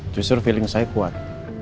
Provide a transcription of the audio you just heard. justru feeling saya kuat